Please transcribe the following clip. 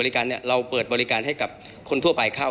มีการที่จะพยายามติดศิลป์บ่นเจ้าพระงานนะครับ